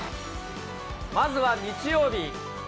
まずは日曜日。